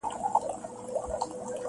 پر تاخچو- پر صندوقونو پر کونجونو-